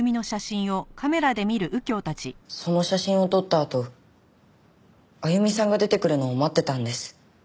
その写真を撮ったあとあゆみさんが出てくるのを待ってたんです。